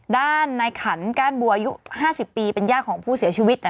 ด้านในขันก้านบัวอายุ๕๐ปีเป็นญาติของผู้เสียชีวิต